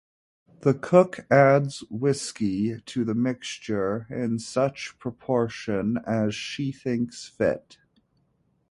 The cook adds whisky to the mixture in such proportion as she thinks fit.